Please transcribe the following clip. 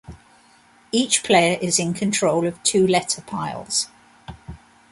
Each player is in control of two letter piles.